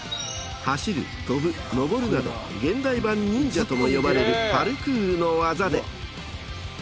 など現代版忍者とも呼ばれるパルクールの技で。